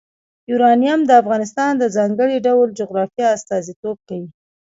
یورانیم د افغانستان د ځانګړي ډول جغرافیه استازیتوب کوي.